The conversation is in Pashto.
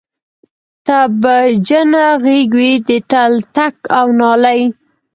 تبجنه غیږ وی د تلتک او نالۍ